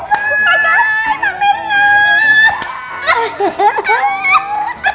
pak jati pak merlah